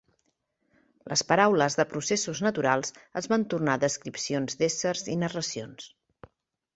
Les paraules de processos naturals es van tornar descripcions d'éssers i narracions.